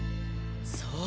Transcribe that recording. そう。